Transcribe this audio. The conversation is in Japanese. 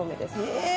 へえ。